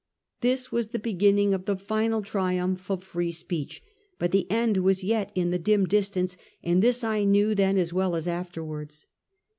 This was the beginning of the final triumph of free speech, but the end was yet in the dim distance, and this I knew then as well as afterwards.